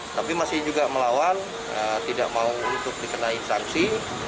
tapi masih juga melawan tidak mau untuk dikenai sanksi